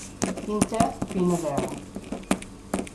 Inter Primavera